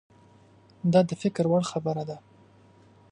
دا د فکر وړ خبره ده.